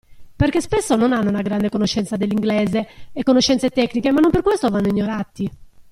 Perché spesso non hanno una grande conoscenza dell'inglese e conoscenze tecniche ma non per questo vanno ignorati.